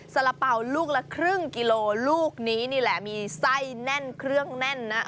สาระเป๋าลูกละครึ่งกิโลลูกนี้นี่แหละมีไส้แน่นเครื่องแน่นนะ